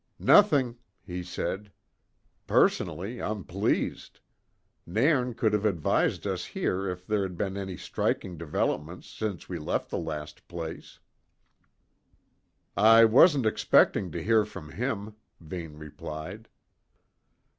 "Nothing," he said. "Personally, I'm pleased. Nairn could have advised us here if there had been any striking developments since we left the last place." "I wasn't expecting to hear from him," Vane replied.